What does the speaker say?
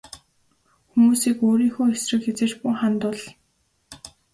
Хүмүүсийг өөрийнхөө эсрэг хэзээ ч бүү хандуул.